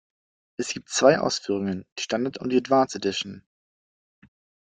Es gibt zwei Ausführungen: Die Standard- und die Advanced Edition.